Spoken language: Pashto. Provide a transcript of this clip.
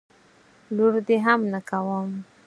لور دي هم نه کوم.